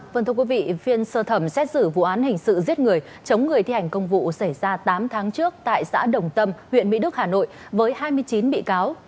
vâng thưa quý vị phiên sơ thẩm xét xử vụ án hình sự giết người chống người thi hành công vụ xảy ra tám tháng trước tại xã đồng tâm huyện mỹ đức hà nội với hai mươi chín bị cáo